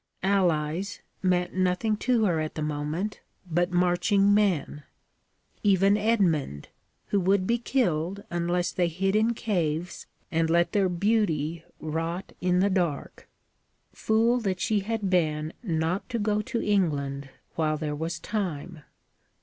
'Allies' meant nothing to her at the moment but marching men. Even Edmund who would be killed unless they hid in caves and let their beauty rot in the dark. Fool that she had been not to go to England while there was time!